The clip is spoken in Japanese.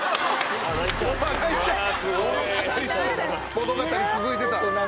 物語続いてた。